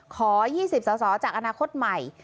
ขอ๒๐สสจากอนาคตใหม่